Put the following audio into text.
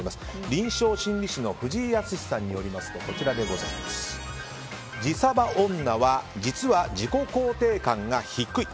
臨床心理士の藤井靖さんによりますと自サバ女は実は自己肯定感が低い。